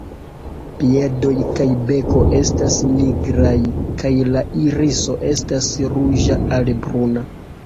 Piedoj kaj beko estas nigraj kaj la iriso estas ruĝa al bruna.